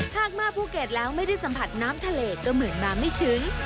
หากมาภูเก็ตแล้วไม่ได้สัมผัสน้ำทะเลก็เหมือนมาไม่ถึง